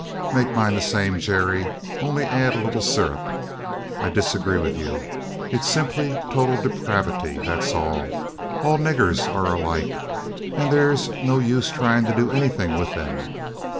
"Make mine the same, Jerry, only add a little syrup. I disagree with you. It 's simply total depravity, that 's all. All niggers are alike, and there 's no use trying to do anything with them.